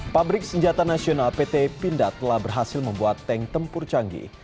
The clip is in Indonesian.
pabrik senjata nasional pt pindad telah berhasil membuat tank tempur canggih